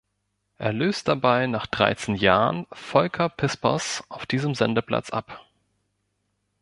Er löst dabei nach dreizehn Jahren Volker Pispers auf diesem Sendeplatz ab.